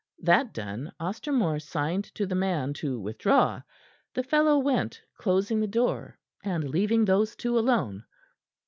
That done, Ostermore signed to the man to withdraw. The fellow went, closing the door, and leaving those two alone.